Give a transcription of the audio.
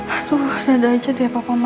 aduh dada aja dia papa mama